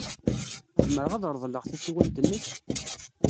Zemreɣ ad reḍleɣ tasiwant-nnek?